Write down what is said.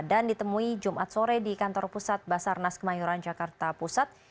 dan ditemui jumat sore di kantor pusat basarnas kemayoran jakarta pusat